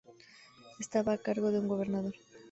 Estaba a cargo de un Gobernador.